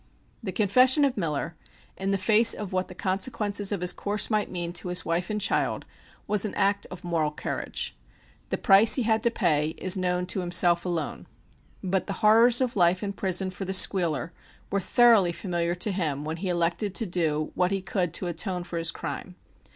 The confession of Miller, in the face of what the consequences of his course might mean to his wife and child, was an act of moral courage. The price he had to pay is known to himself alone. But the horrors of life in prison for the "squealer" were thoroughly familiar to him when he elected to do what he could to atone for his crime.